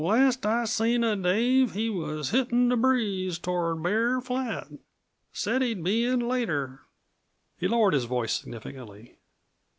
Last I seen of Dave he was hittin' the breeze toward Bear Flat. Said he'd be in later." He lowered his voice significantly.